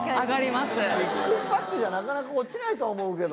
６パックじゃなかなか落ちないと思うけど。